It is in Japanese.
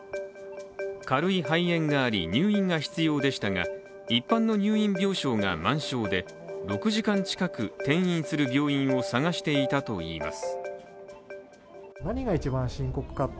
軽い肺炎があり、入院が必要でしたが一般の入院病床が満床で６時間近く転院する病院を探していたといいます。